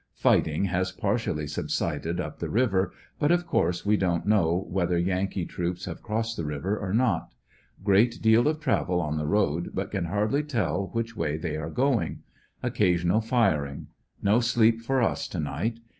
Fighting has partially subsided up the river, but of course we don't know whether Yankee troops have crossed the river or not. Great deal of travel on the road, but can hardly tell v,iiich way they are going. Occasional fir ing. No sleep for us to night.